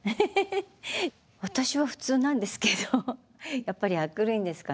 私は普通なんですけどやっぱり明るいんですかね。